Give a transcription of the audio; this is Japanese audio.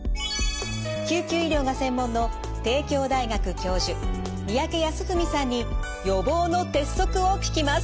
救急医療が専門の帝京大学教授三宅康史さんに予防の鉄則を聞きます。